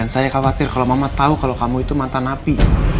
saya khawatir kalau mama tau kalau itu mantan napi